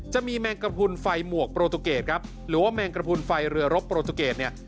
แมงกระพุนไฟหมวกโปรตูเกตครับหรือว่าแมงกระพุนไฟเรือรบโปรตูเกตเนี่ย